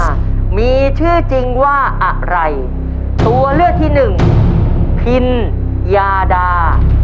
ว่ามีชื่อจริงว่าอะไรตัวเลือกที่หนึ่งพินยาดา